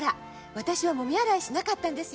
私はもみ洗いしなかったんですよ。